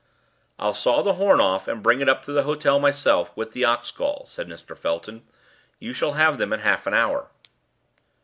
"I'll saw the horn off and bring it up to the hotel myself, with the ox gall," said Mr. Felton. "You shall have them in half an hour."